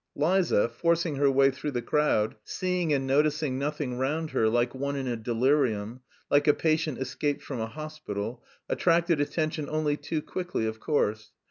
Liza, forcing her way through the crowd, seeing and noticing nothing round her, like one in a delirium, like a patient escaped from a hospital, attracted attention only too quickly, of course.